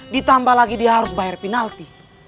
ditambah lagi dia harus bayar penalti